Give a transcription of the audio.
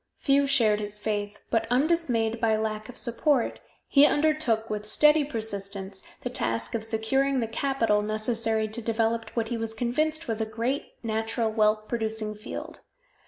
Few shared his faith, but undismayed by lack of support, he undertook, with steady persistence, the task of securing the capital necessary to develop what he was convinced was a great natural wealth producing field.